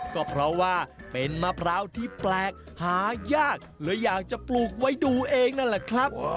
ก็เพราะว่าเป็นมะพร้าวที่แปลกหายากเลยอยากจะปลูกไว้ดูเองนั่นแหละครับ